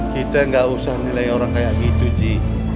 kita nggak usah nilai orang kayak gitu ji